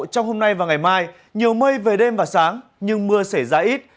trong hôm nay và ngày mai nhiều mây về đêm và sáng nhưng mưa xảy ra ít